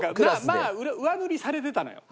まあ上塗りされてたのよ。